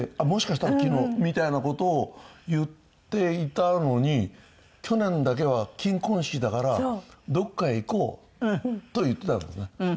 「もしかしたら昨日」みたいな事を言っていたのに去年だけは金婚式だから「どこかへ行こう」と言ってたんですね。